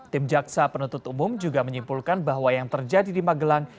tim jaksa penuntut umum juga menyimpulkan bahwa yang terjadi di magelang